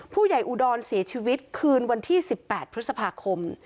อุดรเสียชีวิตคืนวันที่๑๘พฤษภาคม